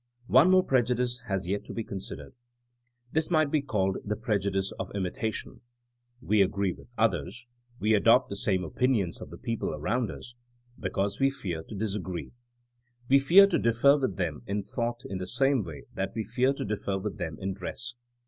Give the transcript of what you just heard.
One more prejudice has yet to be considered. This may be called the prejudice of imitation. We agree with others, we adopt the same opin ions of the people around us, because we fear to disagree. We fear to differ with them in thought in the same way that we fear to differ with them in dress.